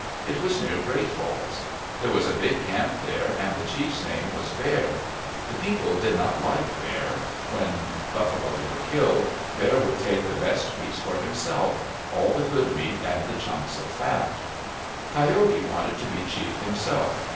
It was near Great Falls. There was a big camp there and the chief's name was Bear. The people did not like Bear. When buffalo were killed, Bear would take MYTHS AND LEGENDS the best pieces for himself all the good meat and the chunks of fat. Coyote wanted to be chief himself.